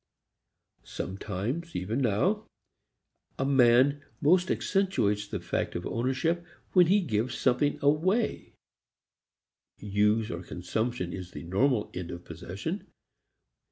Sometimes, even now, a man most accentuates the fact of ownership when he gives something away; use, consumption, is the normal end of possession.